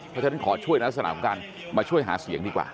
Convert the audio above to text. เพราะฉะนั้นขอช่วยในลักษณะของการมาช่วยหาเสียงดีกว่า